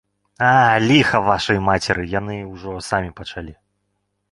А, ліха вашай мацеры, яны ўжо самі пачалі.